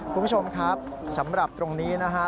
คุณผู้ชมครับสำหรับตรงนี้นะฮะ